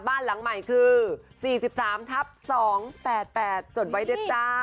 บ้านหลังใหม่คือ๔๓ทับ๒๘๘จดไว้ด้วยจ้า